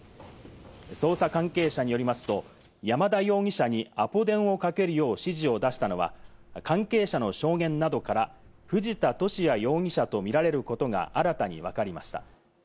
捜査関係者によりますと、山田容疑者にアポ電をかけるよう指示を出したのは関係者の証言などから藤田聖也容疑者とみられることが新たにわかりました。